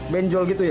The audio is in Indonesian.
benjol gitu ya